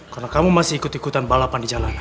karena kamu masih ikut ikutan balapan di jalanan